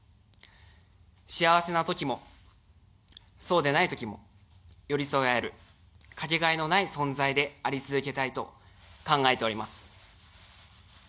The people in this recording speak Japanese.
幸せなときも、そうでないときも寄り添え合えるかけがえのない存在であり続けたいと考えております。